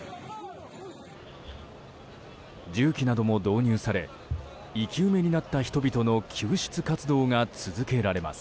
重機なども導入され生き埋めになった人々の救出活動が続けられます。